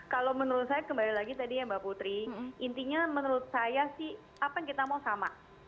kalau menurut saya kembali lagi tadi ya mbak putri intinya menurut saya sih apa yang kita mau sama